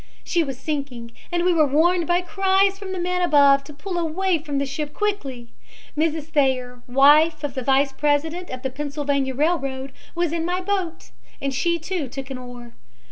She was sinking, and we were warned by cries from the men above to pull away from the ship quickly. Mrs. Thayer, wife of the vice president of the Pennsylvania Railroad, was in my boat, and she, too, took an oar.